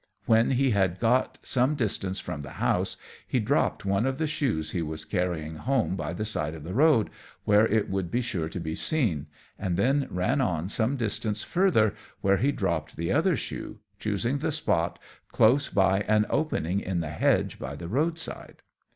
When he had got some distance from the house, he dropped one of the shoes he was carrying home by the side of the road, where it would be sure to be seen, and then ran on some distance further, where he dropped the other shoe, choosing the spot close by an opening in the hedge by the road side.